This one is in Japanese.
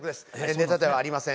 ネタではありません。